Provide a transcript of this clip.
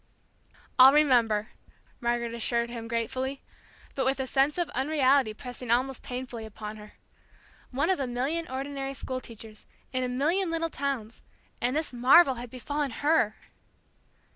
"I'll remember," Margaret assured him gratefully, but with a sense of unreality pressing almost painfully upon her. One of a million ordinary school teachers, in a million little towns and this marvel had befallen her!